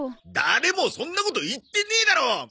誰もそんなこと言ってねえだろう！